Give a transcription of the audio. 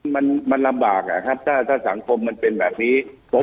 มันมันลำบากอะครับถ้าสังคมมันเป็นแบบนี้